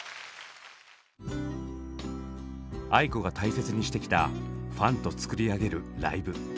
ａｉｋｏが大切にしてきたファンと作り上げるライブ。